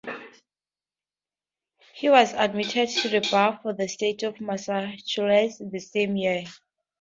He was admitted to the Bar for the state of Massachusetts the same year.